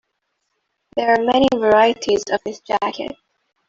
There are many varieties of this jacket.